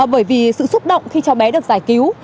bởi vì sự xúc động khi cháu bé được giải cứu